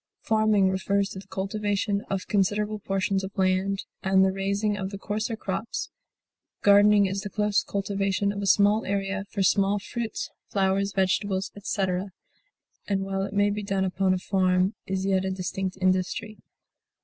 Farming refers to the cultivation of considerable portions of land, and the raising of the coarser crops; gardening is the close cultivation of a small area for small fruits, flowers, vegetables, etc., and while it may be done upon a farm is yet a distinct industry.